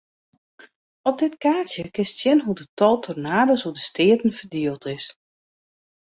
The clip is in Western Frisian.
Op dit kaartsje kinst sjen hoe't it tal tornado's oer de steaten ferdield is.